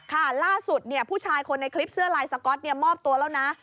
ค่ะล่าสุดผู้ชายคนในคลิปเสื้อลายสก๊อตมอบตัวแล้วนะ